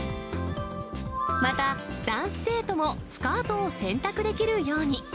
また、男子生徒もスカートを選択できるように。